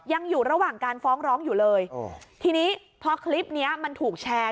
ยังอยู่ระหว่างการฟ้องร้องอยู่เลยทีนี้พอคลิปเนี้ยมันถูกแชร์